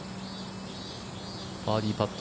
バーディーパット。